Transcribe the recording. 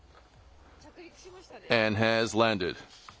今、着陸しましたね。